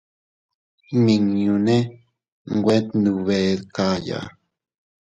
Nminñune nwe tndube dkaya.